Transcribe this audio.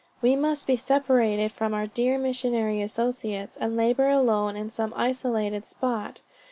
"We must be separated from our dear missionary associates, and labor alone in some isolated spot.